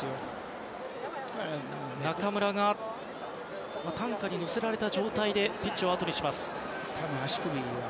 中村、担架に乗せられた状態でピッチを後にします。